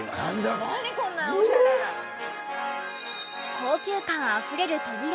高級感あふれる扉。